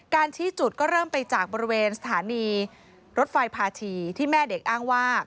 ชี้จุดก็เริ่มไปจากบริเวณสถานีรถไฟพาชีที่แม่เด็กอ้างว่า